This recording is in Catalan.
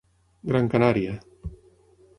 Gran Canària.